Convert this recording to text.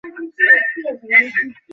চুপ করা, নয়তো আমি!